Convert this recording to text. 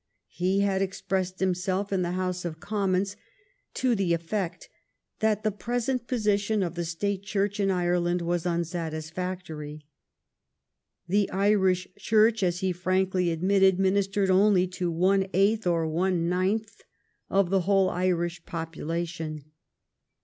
He had expressed himself in the House of Commons to the effect that the present posi tion of the State Church in Ireland was unsatis factory. The Irish Church, as he frankly admitted, ministered only to one eighth or one ninth of the whole Irish population.